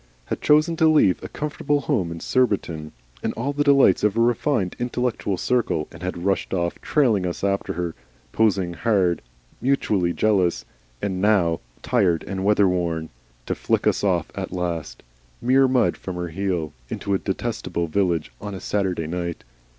had chosen to leave a comfortable home in Surbiton, and all the delights of a refined and intellectual circle, and had rushed off, trailing us after her, posing hard, mutually jealous, and now tired and weather worn, to flick us off at last, mere mud from her wheel, into this detestable village beer house on a Saturday night!